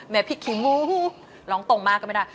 แม่พิกขี้หนูร้องตรงมากก็ไม่ได้